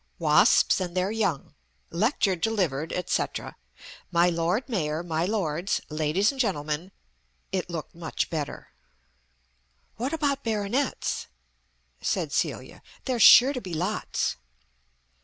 "WASPS AND THEIR YOUNG "Lecture delivered, etc.... "My Lord Mayor, my Lords, Ladies and Gentlemen " It looked much better. "What about Baronets?" said Celia. "There's sure to be lots."